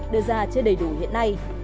đưa ra chưa đầy đủ hiện nay